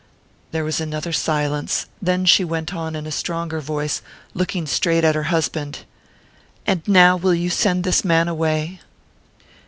There was another silence; then she went on in a stronger voice, looking straight at her husband: "And now will you send this man away?"